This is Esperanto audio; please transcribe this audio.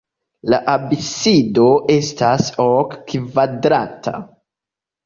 La absido estas ok-kvadrata.